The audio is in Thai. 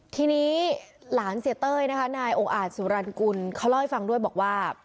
ทีนี้หลานเสียเต้ยนะคะนายองค์อาจสุรรณกุลเขาเล่าให้ฟังด้วยบอกว่า